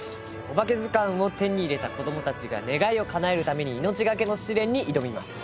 おばけずかんを手に入れた子ども達が願いをかなえるために命がけの試練に挑みます